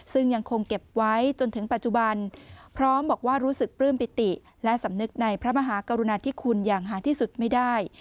ซึ่งยังคงเก็บไว้จนถึงปัจจุบันพร้อมบอกว่ารู้สึกปลื้มปิติและสำนึกในพระมหากรุณาธิคุณอย่างหาที่สุดไม่ได้